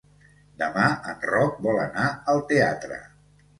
Demà en Roc vol anar al teatre.